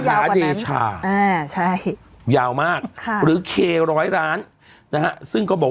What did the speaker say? กว่านั้นอ่าใช่ยาวมากค่ะหรือเคร้อยล้านนะฮะซึ่งก็บอก